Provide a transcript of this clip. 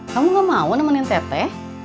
kamu gak mau nemenin teteh